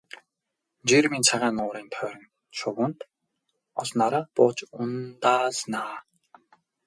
Жирмийн цагаан нуурын тойрон шувууд олноороо бууж ундаална.